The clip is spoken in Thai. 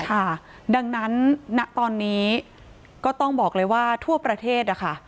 ค่ะดังนั้นณตอนนี้ก็ต้องบอกเลยว่าทั่วประเทศนะคะ